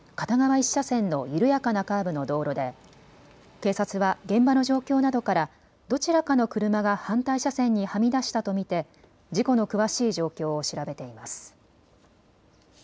１車線の緩やかなカーブの道路で警察は現場の状況などからどちらかの車が反対車線にはみ出したと見て事故の詳しい状況を調べています。